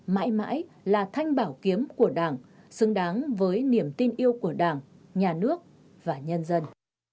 mãi mãi là thanh bảo kiếm của đảng xứng đáng với niềm tin yêu của đảng nhà nước và nhân dân